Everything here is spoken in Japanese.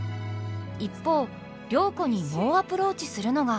一方良子に猛アプローチするのが。